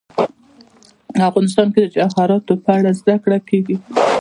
افغانستان کې د جواهرات په اړه زده کړه کېږي.